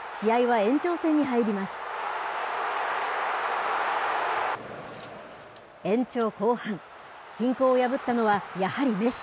延長後半、均衡を破ったのは、やはりメッシ。